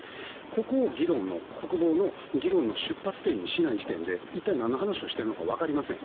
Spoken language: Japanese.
ここを国防の議論の出発点にしない時点で一体何の話をしているのか分かりません。